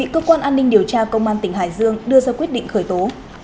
cơ quan an ninh điều tra công an tỉnh hải dương đưa ra quyết định khởi tố